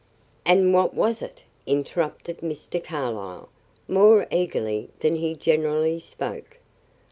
"And what was it?" interrupted Mr. Carlyle, more eagerly than he generally spoke.